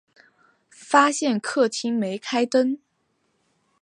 发现客厅没开灯